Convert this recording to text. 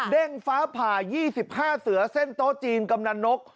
ฟ้าผ่า๒๕เสือเส้นโต๊ะจีนกำนันนก